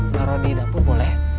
ngaruh di dapur boleh